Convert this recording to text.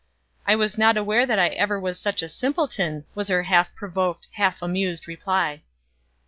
"I was not aware that I ever was such a simpleton!" was her half provoked, half amused reply.